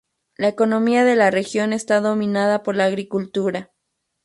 La economía de la región está dominada por la agricultura.